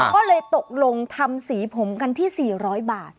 ก็เลยตกลงทำสีผมกันที่๔๐๐บาท